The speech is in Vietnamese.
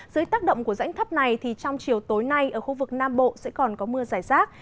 dưới tác động của rãnh thấp này thì trong chiều tối nay ở khu vực nam bộ sẽ còn có mưa giải rác